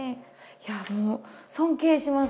いやもう尊敬します。